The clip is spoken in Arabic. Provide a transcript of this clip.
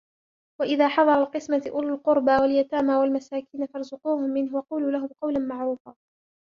وإذا حضر القسمة أولو القربى واليتامى والمساكين فارزقوهم منه وقولوا لهم قولا معروفا